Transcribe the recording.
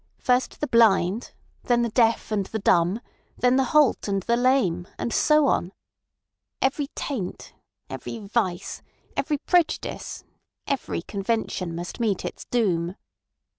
First the blind, then the deaf and the dumb, then the halt and the lame—and so on. Every taint, every vice, every prejudice, every convention must meet its doom."